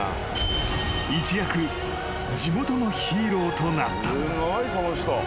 ［一躍地元のヒーローとなった］